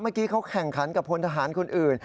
เมื่อกี้เขาแข่งขันกับพลทหารคนอื่น